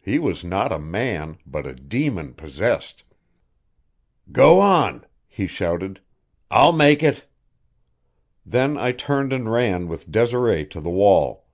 He was not a man, but a demon possessed. "Go on," he shouted. "I'll make it!" Then I turned and ran with Desiree to the wall.